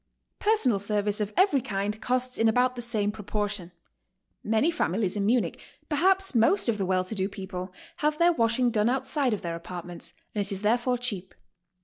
^ Personal service of every kind costs in about the same proportion. Many families in Munich, perhaps most of the well to do people, have their washing done outside of their apartments, and it is therefore cheap.